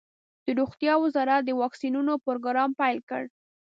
د روغتیا وزارت د واکسینونو پروګرام پیل کړ.